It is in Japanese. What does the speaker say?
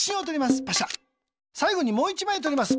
さいごにもう１まいとります。